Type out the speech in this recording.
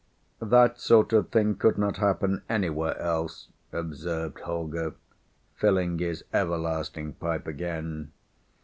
_ _"That sort of thing could not happen anywhere else," observed Holger, filling his everlasting pipe again.